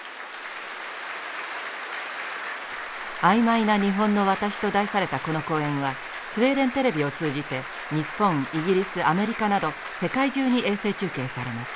「あいまいな日本の私」と題されたこの講演はスウェーデン・テレビを通じて日本イギリスアメリカなど世界中に衛星中継されます。